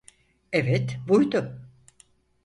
Evet, buydu.